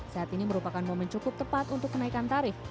saat ini merupakan momen cukup tepat untuk kenaikan tarif